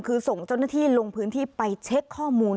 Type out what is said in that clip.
คือส่งเจ้าหน้าที่ลงพื้นที่ไปเช็คข้อมูล